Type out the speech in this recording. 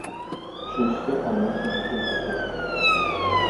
Өченчесе, аннан соң дүртенчесе.